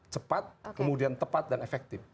cepat kemudian tepat dan efektif